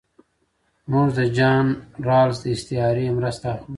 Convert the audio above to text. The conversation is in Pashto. موږ د جان رالز د استعارې مرسته اخلو.